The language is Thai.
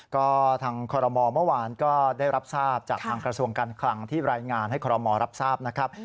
ก็ทางคอรมอลเมื่อวานก็ได้รับทราบจากทางกระทรวงการคลังที่รายงานให้คอรมอลรับทราบนะครับ